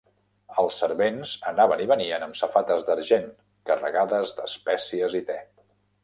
Els servents anaven i venien amb safates d'argent carregades d'espècies i te.